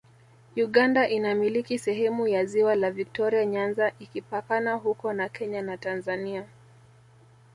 Uganda inamiliki sehemu ya ziwa la Viktoria Nyanza ikipakana huko na Kenya na Tanzania